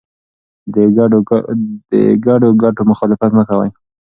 د ګډو ګټو مخالفت مه کوه.